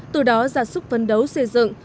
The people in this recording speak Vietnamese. từ đó ra sức phấn đấu xây dựng